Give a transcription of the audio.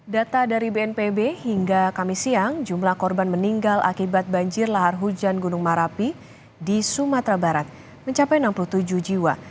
data dari bnpb hingga kami siang jumlah korban meninggal akibat banjir lahar hujan gunung merapi di sumatera barat mencapai enam puluh tujuh jiwa